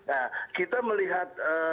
nah kita melihat